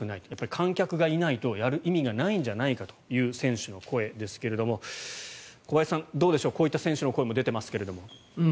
観客がいないとやる意味がないんじゃないかという選手の声ですが小林さん、どうでしょうこういった選手の声も出ていますが。